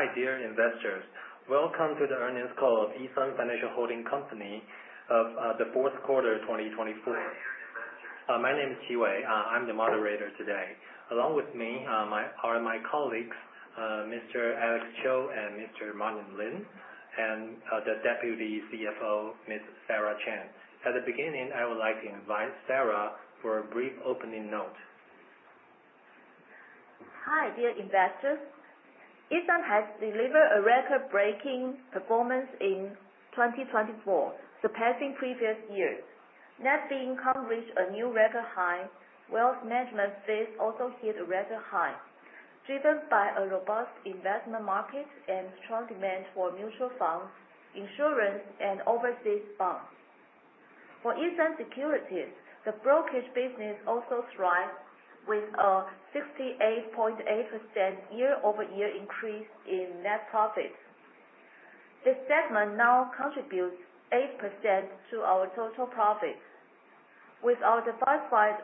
Hi, dear investors. Welcome to the earnings call of E.SUN Financial Holding Company of the fourth quarter 2024. My name is Qi Wei. I'm the moderator today. Along with me are my colleagues, Mr. Alex Cho and Mr. Martin Lin, and the Deputy CFO, Ms. Sarah Chen. At the beginning, I would like to invite Sarah for a brief opening note. Hi, dear investors. E.SUN has delivered a record-breaking performance in 2024, surpassing previous years. Net income reached a new record high. Wealth management fees also hit a record high, driven by a robust investment market and strong demand for mutual funds, insurance, and overseas bonds. For E.SUN Securities, the brokerage business also thrived with a 68.8% year-over-year increase in net profits. This segment now contributes 8% to our total profits. With our diversified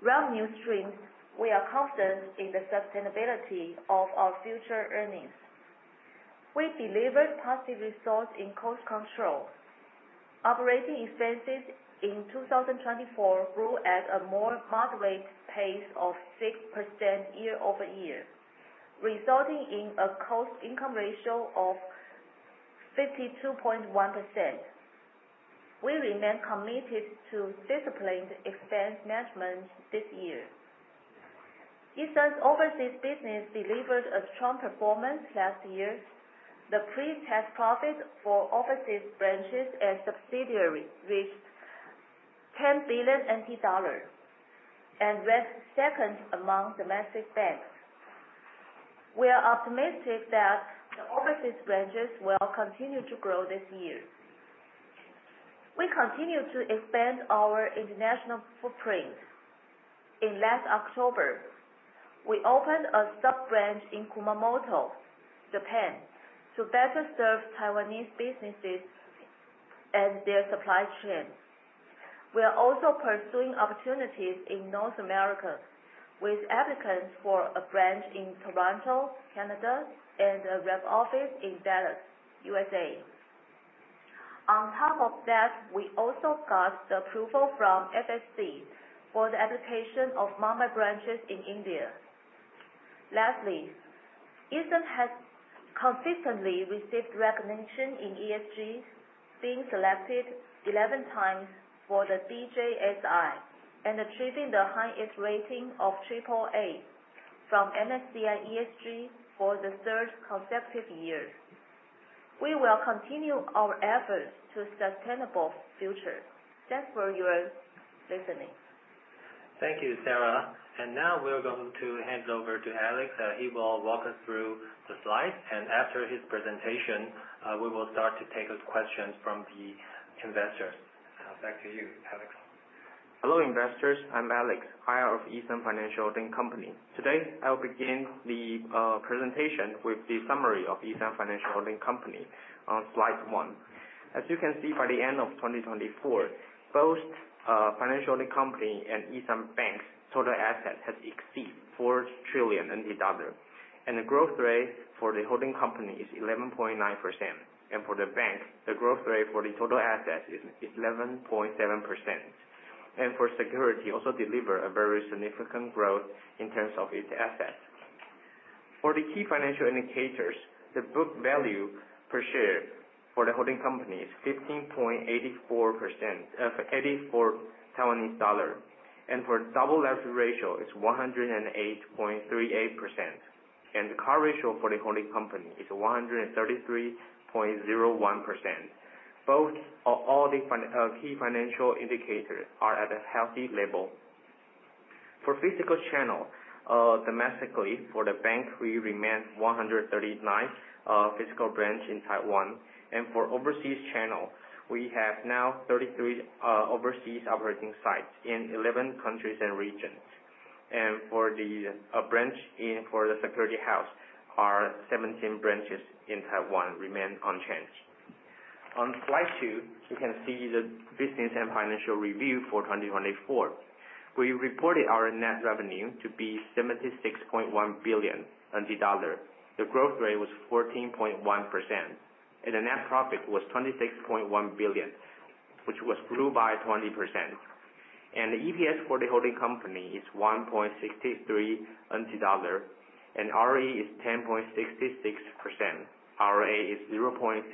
revenue streams, we are confident in the sustainability of our future earnings. We delivered positive results in cost control. Operating expenses in 2024 grew at a more moderate pace of 6% year-over-year, resulting in a Cost-to-Income Ratio of 52.1%. We remain committed to disciplined expense management this year. E.SUN's overseas business delivered a strong performance last year. The pre-tax profit for overseas branches and subsidiaries reached 10 billion dollars, and ranked second among domestic banks. We are optimistic that the overseas branches will continue to grow this year. We continue to expand our international footprint. In last October, we opened a sub-branch in Kumamoto, Japan, to better serve Taiwanese businesses and their supply chains. We are also pursuing opportunities in North America with applicants for a branch in Toronto, Canada, and a rep office in Dallas, U.S. On top of that, we also got the approval from FSC for the application of Mumbai branches in India. Lastly, E.SUN has consistently received recognition in ESGs, being selected 11 times for the DJSI and achieving the highest rating of triple A from MSCI ESG for the third consecutive year. We will continue our efforts to sustainable future. Thanks for your listening. Thank you, Sarah. Now we're going to hand over to Alex. He will walk us through the slides, and after his presentation, we will start to take questions from the investors. Now back to you, Alex. Hello, investors. I'm Alex, IR of E.SUN Financial Holding Company. Today, I'll begin the presentation with the summary of E.SUN Financial Holding Company on slide one. As you can see, by the end of 2024, both Financial Holding Company and E.SUN Bank's total assets has exceeded 4 trillion, the growth rate for the holding company is 11.9%. For the bank, the growth rate for the total assets is 11.7%. For Security, also delivered a very significant growth in terms of its assets. For the key financial indicators, the book value per share for the holding company is 15.84, for double leverage ratio is 108.38%. The coverage ratio for the holding company is 133.01%. All the key financial indicators are at a healthy level. For physical channel, domestically for the bank, we remain 139 physical branch in Taiwan. For overseas channel, we have now 33 overseas operating sites in 11 countries and regions. For the branch for the Security House, our 17 branches in Taiwan remain unchanged. On slide two, you can see the business and financial review for 2024. We reported our net revenue to be 76.1 billion. The growth rate was 14.1%, the net profit was 26.1 billion, which grew by 20%. The EPS for the holding company is 1.63 NT dollar, ROE is 10.66%. ROA is 0.68%.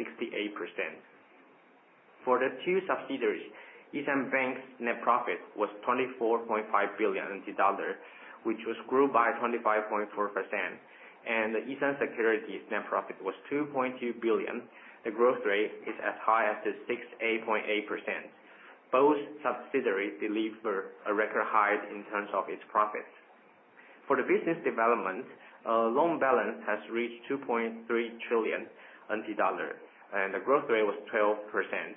For the two subsidiaries, E.SUN Bank's net profit was 24.5 billion dollar, which grew by 25.4%, E.SUN Securities' net profit was 2.2 billion. The growth rate is as high as the 68.8%. Both subsidiaries delivered a record high in terms of its profits. For the business development, loan balance has reached 2.3 trillion NT dollar, the growth rate was 12%,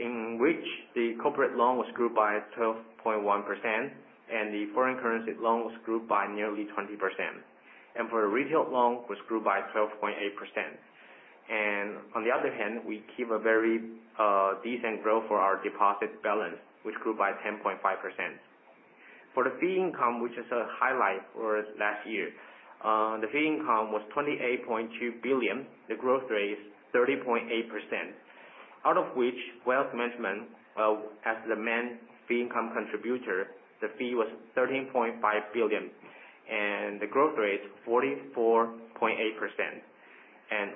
in which the corporate loan grew by 12.1%, the foreign currency loan grew by nearly 20%. For retail loan, it grew by 12.8%. On the other hand, we keep a very decent growth for our deposit balance, which grew by 10.5%. For the fee income, which is a highlight for last year, the fee income was 28.2 billion. The growth rate is 30.8%, out of which wealth management, as the main fee income contributor, the fee was 13.5 billion, the growth rate, 44.8%.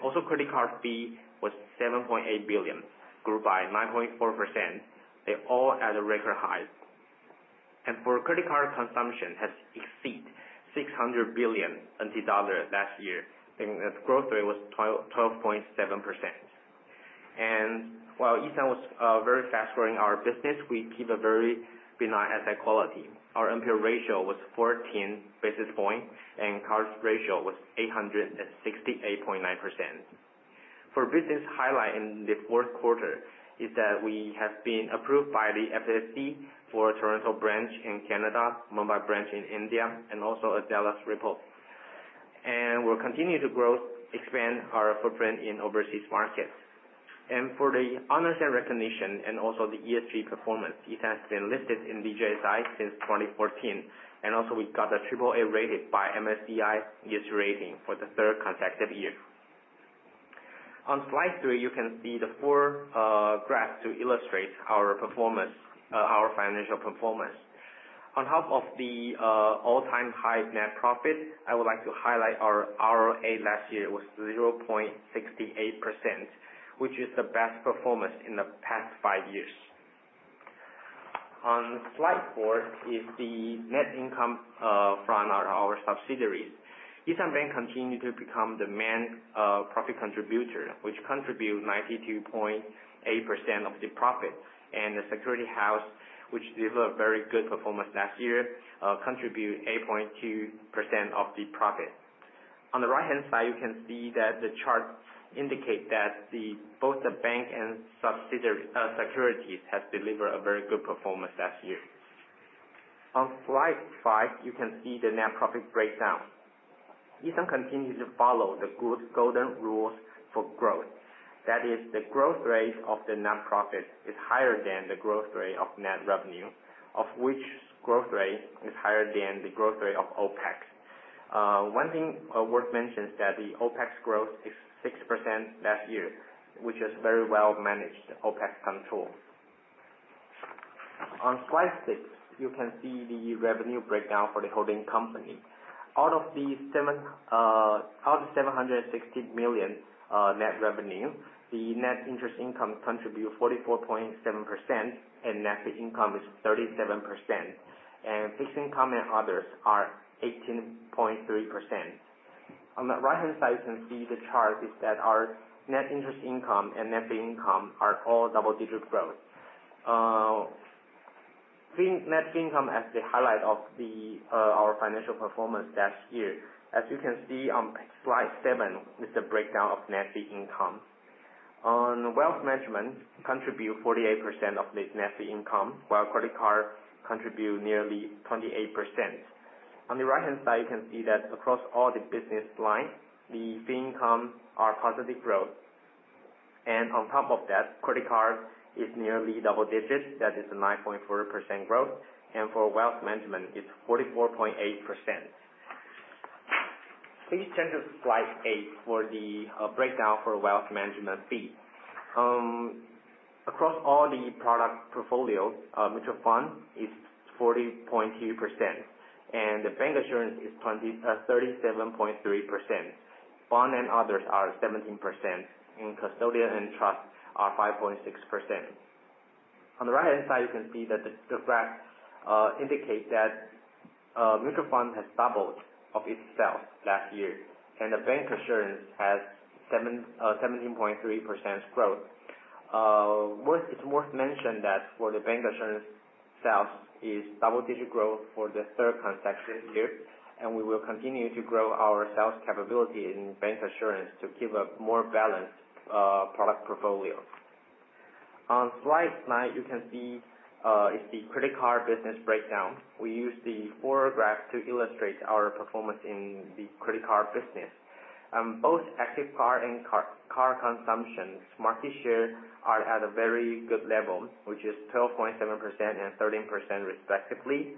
Also credit card fee was 7.8 billion, grew by 9.4%. They all at a record high. For credit card consumption has exceed 600 billion NT dollar last year, its growth rate was 12.7%. While E.SUN was very fast-growing our business, we keep a very benign asset quality. Our NPL ratio was 14 basis points, CAR was 868.9%. For business highlight in the fourth quarter is that we have been approved by the FSC for Toronto branch in Canada, Mumbai branch in India, also a Dallas representative office. We're continuing to grow, expand our footprint in overseas markets. For the honors and recognition also the ESG performance, E.SUN has been listed in DJSI since 2014, also we got a triple A rated by MSCI ESG rating for the third consecutive year. On slide three, you can see the four graphs to illustrate our financial performance. On top of the all-time high net profit, I would like to highlight our ROA last year was 0.68%, which is the best performance in the past five years. On slide four is the net income from our subsidiaries. E.SUN Bank continue to become the main profit contributor, which contribute 92.8% of the profit. The security house, which delivered very good performance last year, contribute 8.2% of the profit. On the right-hand side, you can see that the charts indicate that both the bank and securities have delivered a very good performance last year. On slide five, you can see the net profit breakdown. E.SUN continues to follow the good golden rules for growth. That is, the growth rate of the net profit is higher than the growth rate of net revenue, of which growth rate is higher than the growth rate of OPEX. One thing worth mentioning is that the OPEX growth is 6% last year, which is very well managed OPEX control. On slide six, you can see the revenue breakdown for the holding company. Out of 760 million net revenue, the net interest income contribute 44.7%. Net fee income is 37%. Fee income and others are 18.3%. On the right-hand side, you can see the chart is that our net interest income and net fee income are all double-digit growth. Net fee income as the highlight of our financial performance that year. As you can see on slide seven is the breakdown of net fee income. On wealth management contribute 48% of this net fee income, while credit cards contribute nearly 28%. On the right-hand side, you can see that across all the business lines, the fee income are positive growth. On top of that, credit card is nearly double digits. That is a 9.4% growth. For wealth management, it's 44.8%. Please turn to slide eight for the breakdown for wealth management fee. Across all the product portfolios, mutual fund is 40.2%. The bancassurance is 37.3%. Bond and others are 17%. Custodian and trust are 5.6%. On the right-hand side, you can see that the graph indicates that mutual fund has doubled of its sales last year. The bancassurance has 17.3% growth. It's worth mentioning that for the bancassurance sales is double-digit growth for the third consecutive year. We will continue to grow our sales capability in bancassurance to keep a more balanced product portfolio. On slide nine, you can see is the credit card business breakdown. We use the four graphs to illustrate our performance in the credit card business. Both active card and card consumptions market share are at a very good level, which is 12.7% and 13% respectively.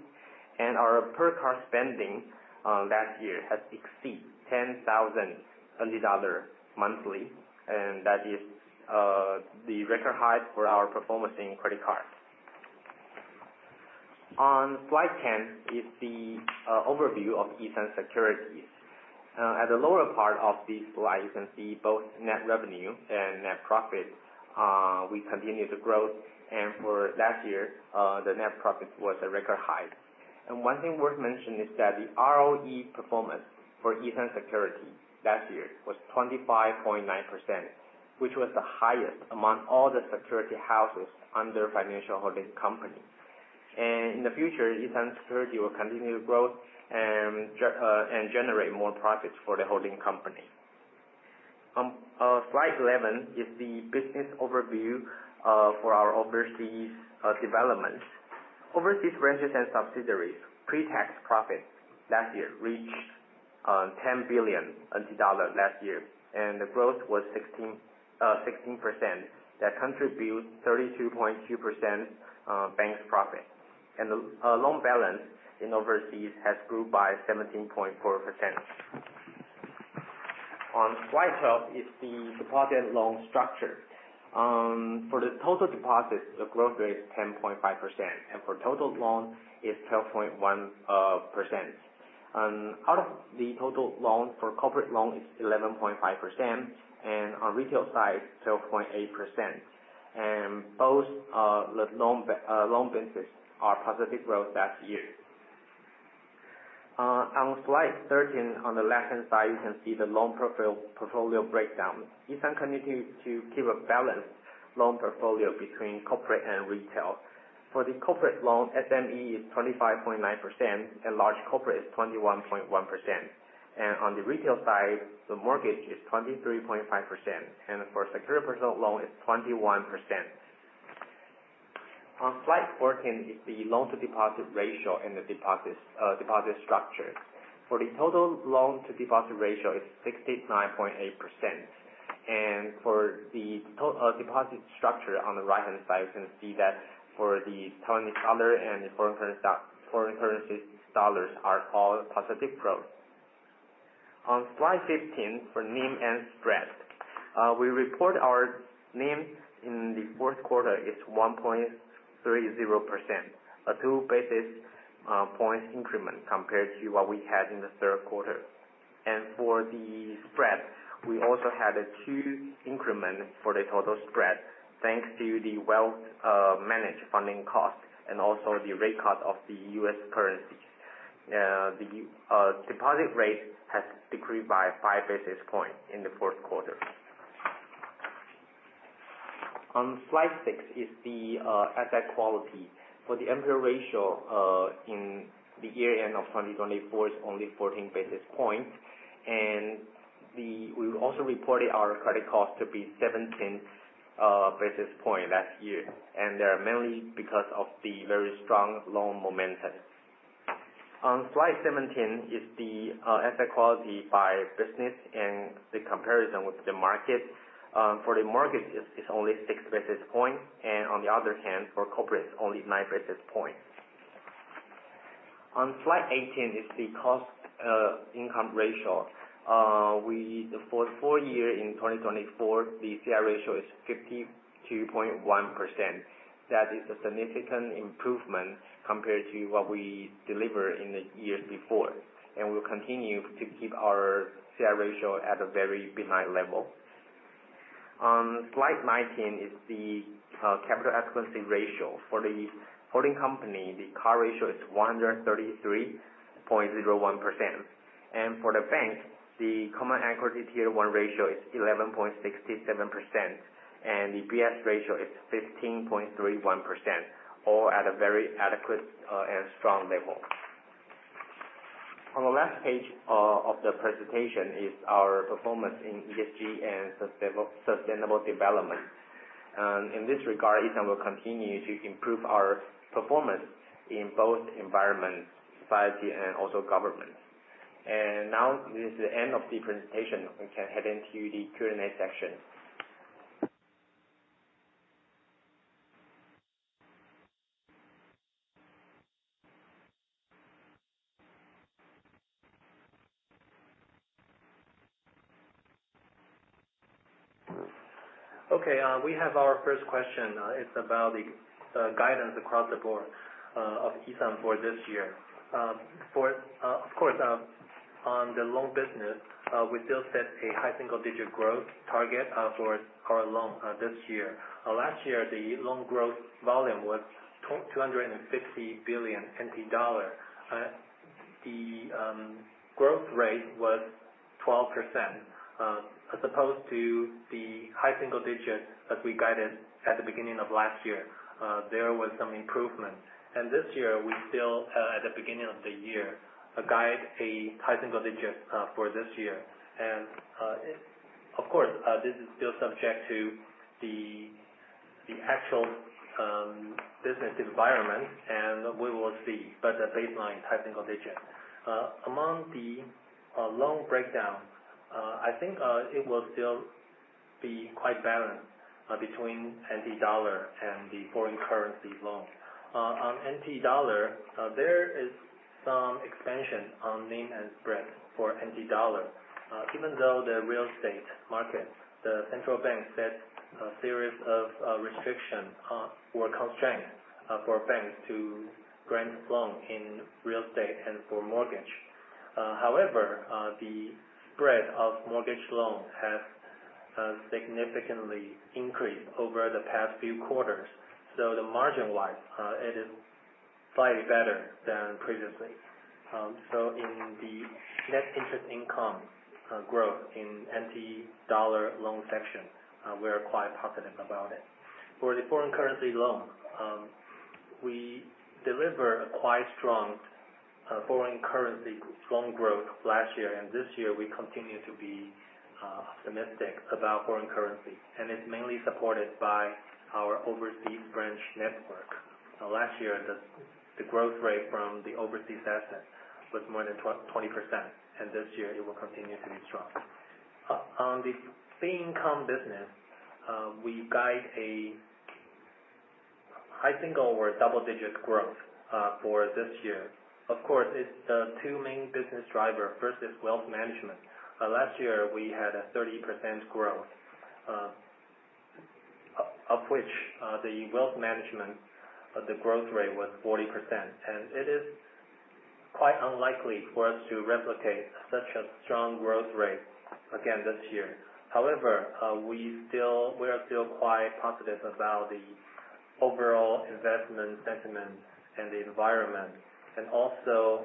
Our per card spending last year has exceed 10,000 dollars monthly. That is the record high for our performance in credit card. On slide 10 is the overview of E.SUN Securities. At the lower part of the slide, you can see both net revenue and net profit. We continue to grow. For last year, the net profit was a record high. One thing worth mentioning is that the ROE performance for E.SUN Securities last year was 25.9%, which was the highest among all the security houses under Financial Holding Company. In the future, E.SUN Securities will continue to grow and generate more profits for the holding company. On slide 11 is the business overview for our overseas development. Overseas branches and subsidiaries pre-tax profit last year reached NT$10 billion last year. The growth was 16%, that contribute 32.2% bank's profit. The loan balance in overseas has grew by 17.4%. On slide 12 is the deposit loan structure. For the total deposits, the growth rate is 10.5%. For total loan is 12.1%. Out of the total loan, for corporate loan is 11.5%. On retail side, 12.8%. Both the loan balances are positive growth that year. On slide 13, on the left-hand side, you can see the loan portfolio breakdown. E.SUN continues to keep a balanced loan portfolio between corporate and retail. For the corporate loan, SME is 25.9%, and large corporate is 21.1%. On the retail side, the mortgage is 23.5%. For secured personal loan is 21%. On slide 14 is the Loan-to-Deposit Ratio and the deposit structure. For the total Loan-to-Deposit Ratio is 69.8%. For the deposit structure on the right-hand side, you can see that for the NT dollar and foreign currency dollars are all positive growth. On slide 15, for NIM and spread. We report our NIM in the fourth quarter is 1.30%, a 2 basis points increment compared to what we had in the third quarter. For the spread, we also had a 2 increment for the total spread, thanks to the well managed funding cost and also the rate cut of the US currency. The deposit rate has decreased by 5 basis points in the fourth quarter. On slide 16 is the asset quality. For the NPL ratio, in the year end of 2024 is only 14 basis points. We also reported our Credit Cost to be 17 basis points last year. They are mainly because of the very strong loan momentum. On slide 17 is the asset quality by business and the comparison with the market. For the mortgage, it's only 6 basis points. On the other hand, for corporate, it's only 9 basis points. On slide 18 is the Cost-to-Income Ratio. For full year in 2024, the CI ratio is 52.1%. That is a significant improvement compared to what we delivered in the years before. We'll continue to keep our CI ratio at a very benign level. On slide 19 is the Capital Adequacy Ratio. For the holding company, the CAR ratio is 133.01%. For the bank, the Common Equity Tier 1 ratio is 11.67%. The BIS ratio is 15.31%, all at a very adequate and strong level. On the last page of the presentation is our performance in ESG and sustainable development. In this regard, E.SUN will continue to improve our performance in both environment, society, and also government. Now this is the end of the presentation. We can head into the Q&A section. Okay. We have our first question. It's about the guidance across the board of E.SUN for this year. Of course, on the loan business, we still set a high single-digit growth target for our loan this year. Last year, the loan growth volume was 250 billion NT dollar. The growth rate was 12%, as opposed to the high single digits as we guided at the beginning of last year. There was some improvement. This year, we still, at the beginning of the year, guide a high single digit for this year. Of course, this is still subject to the actual business environment, and we will see. The baseline, high single digit. Among the loan breakdown, I think it will still be quite balanced between TWD and the foreign currency loans. On TWD, there is some expansion on NIM and spread for TWD. Even though the real estate market, the central bank set a series of restriction or constraint for banks to grant loan in real estate and for mortgage. However, the spread of mortgage loans has significantly increased over the past few quarters. The margin wide, it is slightly better than previously. In the net interest income growth in TWD loan section, we are quite positive about it. For the foreign currency loan, we deliver quite strong foreign currency strong growth last year. This year we continue to be optimistic about foreign currency, and it's mainly supported by our overseas branch network. Last year, the growth rate from the overseas assets was more than 20%, and this year it will continue to be strong. On the fee income business, we guide a high single or double-digit growth for this year. Of course, it's the two main business driver. First is wealth management. Last year, we had a 30% growth, of which the wealth management, the growth rate was 40%. It is quite unlikely for us to replicate such a strong growth rate again this year. We are still quite positive about the overall investment sentiment and the environment, and also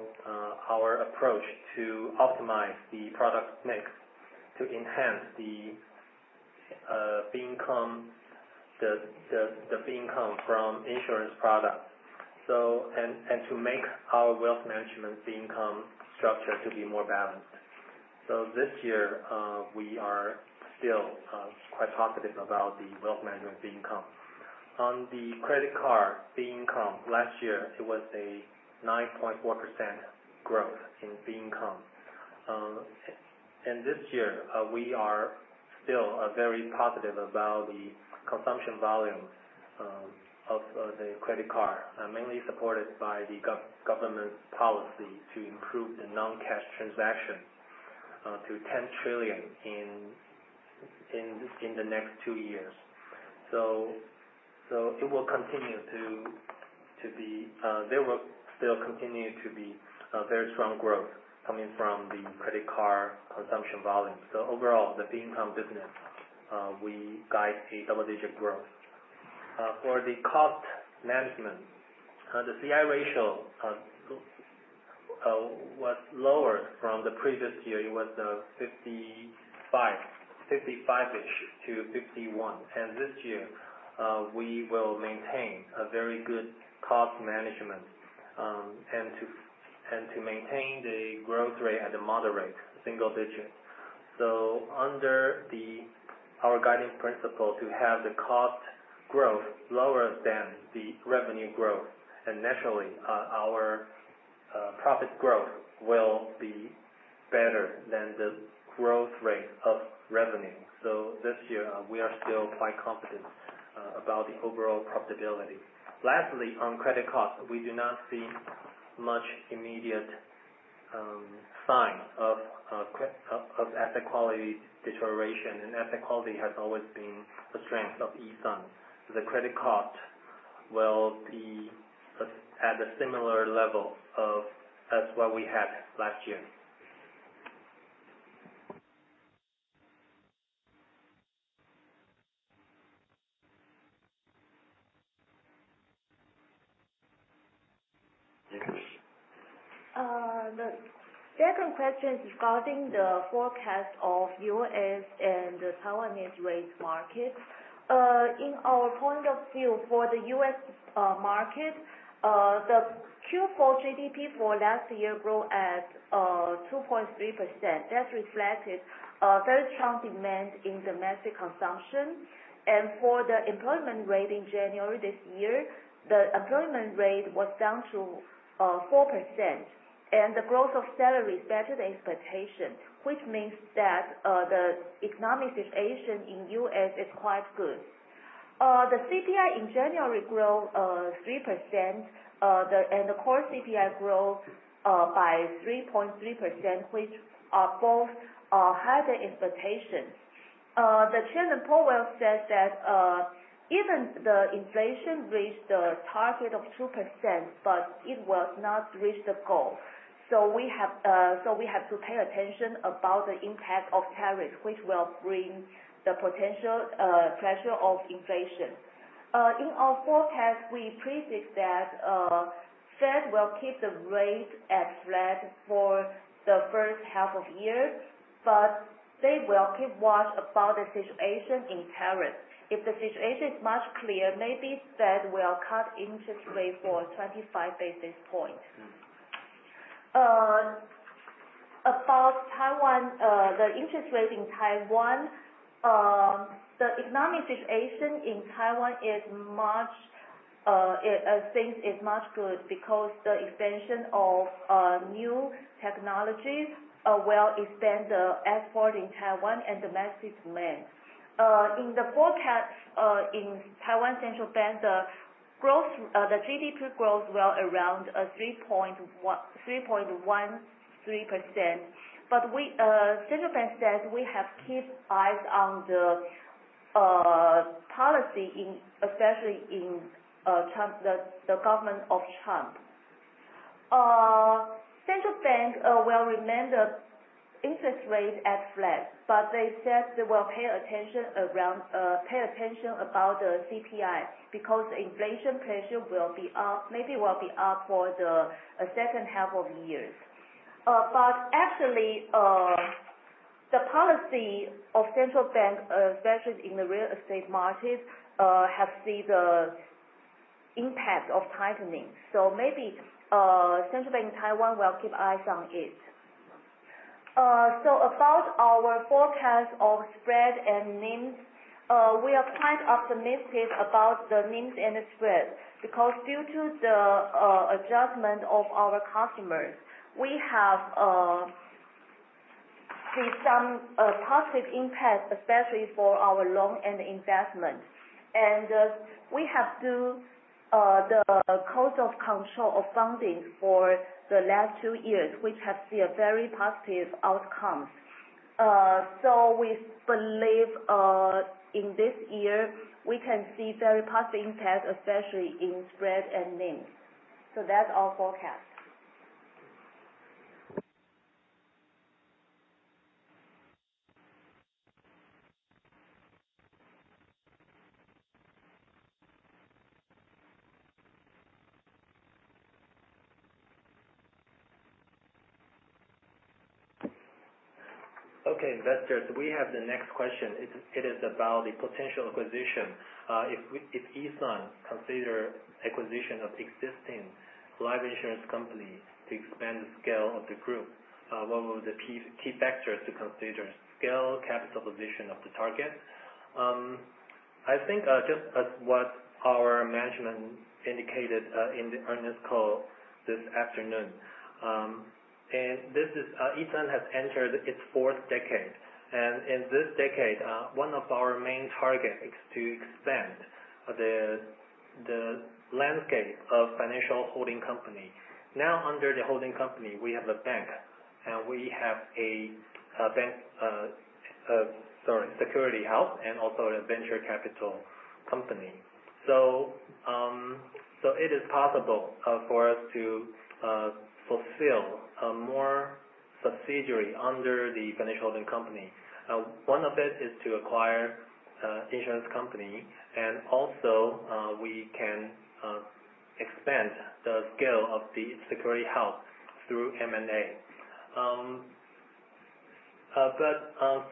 our approach to optimize the product mix to enhance the fee income from insurance products, and to make our wealth management fee income structure to be more balanced. This year, we are still quite positive about the wealth management fee income. On the credit card fee income, last year, it was a 9.4% growth in fee income. This year, we are still very positive about the consumption volume of the credit card, mainly supported by the government policy to improve the non-cash transaction to 10 trillion in the next two years. There will still continue to be very strong growth coming from the credit card consumption volume. Overall, the fee income business, we guide a double-digit growth. For the cost management, the CI ratio was lower from the previous year. It was 55-ish% to 51%. This year, we will maintain a very good cost management, and to maintain the growth rate at a moderate single digit. Under our guiding principle to have the cost growth lower than the revenue growth, and naturally, our profit growth will be better than the growth rate of revenue. This year, we are still quite confident about the overall profitability. Lastly, on credit cost, we do not see much immediate signs of asset quality deterioration, and asset quality has always been a strength of E.SUN. The credit cost will be at a similar level as what we had last year. Thank you. The second question is regarding the forecast of US and Taiwanese rate market. In our point of view, for the U.S. market, the Q4 GDP for last year grew at 2.3%. That reflected a very strong demand in domestic consumption. For the employment rate in January this year, the employment rate was down to 4%, and the growth of salaries better than expectation, which means that the economic situation in the U.S. is quite good. The CPI in January grew 3%, and the core CPI grew by 3.3%, which are both higher than expectations. Chairman Powell says that even the inflation reached the target of 2%, but it was not reached the goal. We have to pay attention about the impact of tariffs, which will bring the potential pressure of inflation. In our forecast, we predict that Fed will keep the rates at flat for the first half of the year, they will keep watch about the situation in tariffs. If the situation is much clearer, maybe Fed will cut interest rates for 25 basis points. About the interest rate in Taiwan. The economic situation in Taiwan is much good because the expansion of new technologies will expand the export in Taiwan and domestic demand. In the forecast in Central Bank, the GDP growth were around 3.13%. Central Bank says we have keep eyes on the policy, especially in the government of Trump. Central Bank will remain the interest rate at flat, they said they will pay attention about the CPI, because inflation pressure maybe will be up for the second half of the year. Actually, the policy of Central Bank, especially in the real estate market, have seen the impact of tightening. Maybe Central Bank in Taiwan will keep eyes on it. About our forecast of spread and NIMs, we are quite optimistic about the NIMs and the spread, because due to the adjustment of our customers, we have seen some positive impact, especially for our loan and investment. We have done the cost of control of funding for the last two years, which has seen a very positive outcome. We believe in this year we can see very positive impact, especially in spread and NIMs. That's our forecast. Okay, investors, we have the next question. It is about the potential acquisition. If E.SUN consider acquisition of existing life insurance company to expand the scale of the group, what were the key factors to consider, scale, capital position of the target? I think just as what our management indicated in the earnings call this afternoon. E.SUN has entered its fourth decade, and in this decade, one of our main targets is to expand the landscape of Financial Holding Company. Under the holding company, we have a bank, and we have a security house, and also a venture capital company. It is possible for us to fulfill more subsidiary under the Financial Holding Company. One of it is to acquire insurance company and also we can expand the scale of the security house through M&A.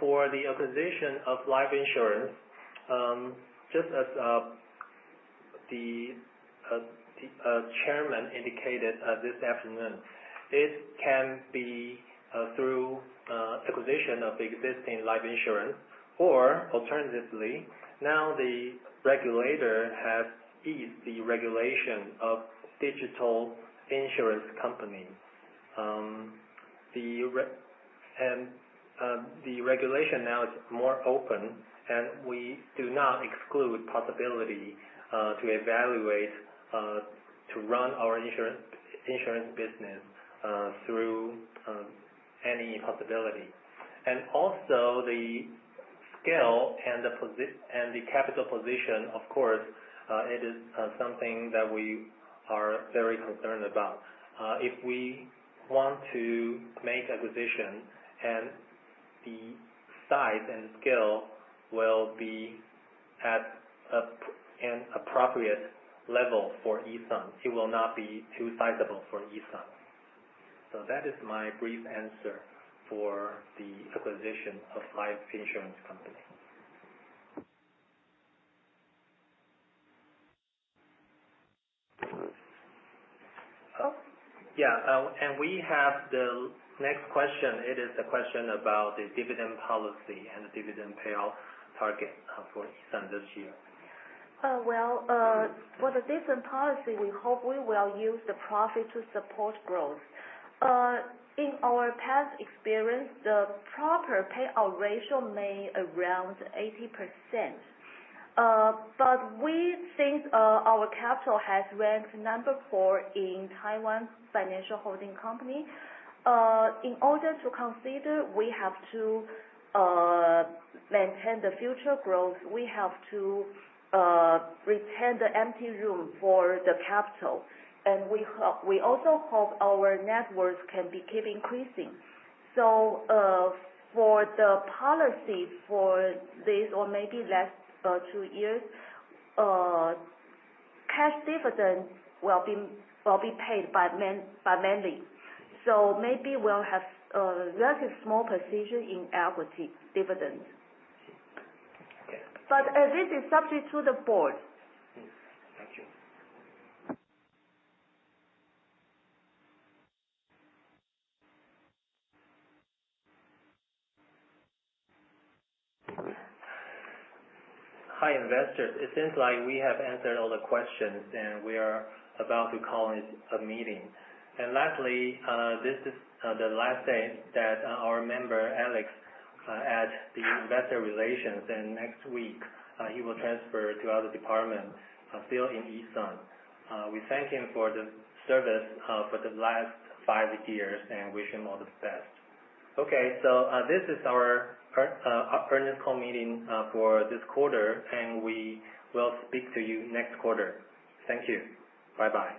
For the acquisition of life insurance, just as the chairman indicated this afternoon, it can be through acquisition of existing life insurance or alternatively, the regulator has eased the regulation of digital insurance company. The regulation now is more open, and we do not exclude possibility to evaluate to run our insurance business through any possibility. Also the scale and the capital position, of course, it is something that we are very concerned about. If we want to make acquisition and the size and scale will be at an appropriate level for E.SUN, it will not be too sizable for E.SUN. That is my brief answer for the acquisition of life insurance company. We have the next question. It is a question about the dividend policy and the dividend payout target for E.SUN this year. For the dividend policy, we hope we will use the profit to support growth. In our past experience, the proper payout ratio may around 80%. We think our capital has ranked number 4 in Taiwan's financial holding company. In order to consider, we have to maintain the future growth. We have to retain the empty room for the capital. We also hope our networks can keep increasing. For the policy for this or maybe last two years, cash dividends will be paid bi-monthly. Maybe we'll have a very small position in equity dividends. Okay. This is subject to the board. Yes. Thank you. Hi, investors. It seems like we have answered all the questions, and we are about to call this a meeting. Lastly, this is the last day that our member, Alex, at the investor relations. Next week he will transfer to other department still in E.SUN. We thank him for the service for the last five years and wish him all the best. Okay. This is our earnings call meeting for this quarter, and we will speak to you next quarter. Thank you. Bye-bye.